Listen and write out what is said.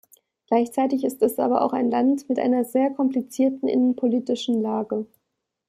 Gleichzeitig ist es aber auch ein Land mit einer sehr komplizierten innenpolitischen Lage.